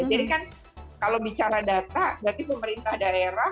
jadi kan kalau bicara data berarti pemerintah daerah